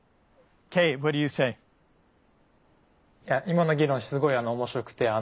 今の議論すごい面白くて。